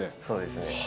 そうですね。